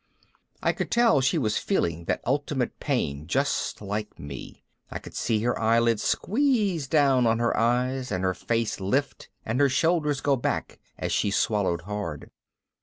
I could tell she was feeling that ultimate pain just like me. I could see her eyelids squeeze down on her eyes and her face lift and her shoulders go back as she swallowed hard.